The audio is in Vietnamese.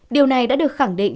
điều này đã được khẳng định